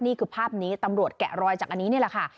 นี่คือภาพนี้ตำรวจแกะรอยจากอันนี้นี่แหละค่ะ